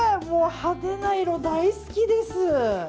派手な色大好きです。